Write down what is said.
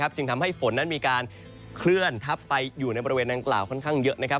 จึงทำให้ฝนนั้นมีการเคลื่อนทับไปอยู่ในบริเวณดังกล่าวค่อนข้างเยอะ